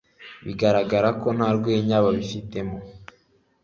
bigaragara ko nta rwenya babifitemo